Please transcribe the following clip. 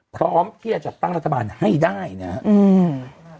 พร้อมที่จะจัดตั้งรัฐบาลให้ได้นะครับอืม